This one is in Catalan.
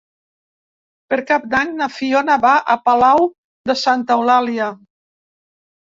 Per Cap d'Any na Fiona va a Palau de Santa Eulàlia.